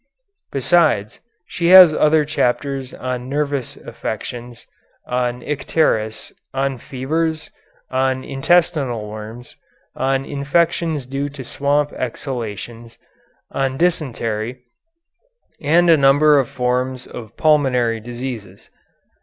Besides, she has other chapters on nervous affections, on icterus, on fevers, on intestinal worms, on infections due to swamp exhalations, on dysentery, and a number of forms of pulmonary diseases.